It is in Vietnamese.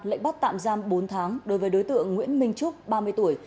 lệnh bắt tạm giam bốn tháng đối với đối tượng nguyễn minh trúc ba mươi tuổi